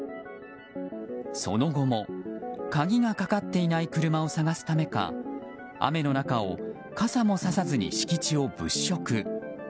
その後も鍵がかかっていない車を探すためか雨の中を傘もささずに敷地を物色。